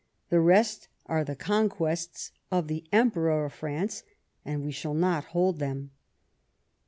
The rest are the conquests of the Emperor of France, and we shall not hold them."